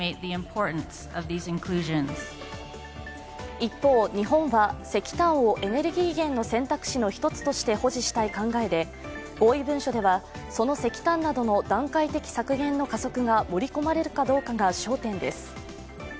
一方、日本は石炭をエネルギー源の選択肢の一つとして保持したい考えで、合意文書ではその石炭などの段階的削減の加速が盛り込まれるかどうかが焦点です。